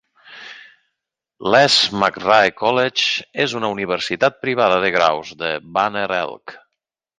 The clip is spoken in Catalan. Lees-McRae College és una universitat privada de graus de Banner Elk.